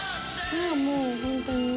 いやあもう本当に。